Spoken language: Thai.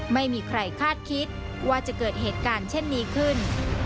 ไม่มีใครคาดคิดว่าจะเกิดเหตุการณ์เช่นนี้ขึ้น